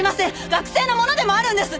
学生のものでもあるんです！